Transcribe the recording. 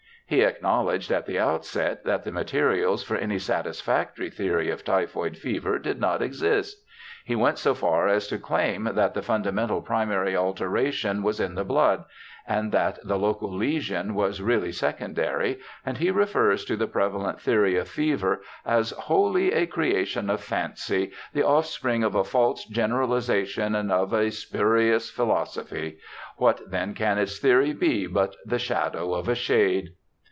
He acknowledged at the outset that the materials for any satisfactory theory of typhoid fever did not exist. He went so far as to claim that the fundamental primary alteration was in the blood, and that the local lesion was really secondary, and he refers to the prevalent theory of fever as * wholly a creation of fancy ; the offspring of a false generalization and of a spurious philosophy. What then can its theory be but the shadow of a shade?'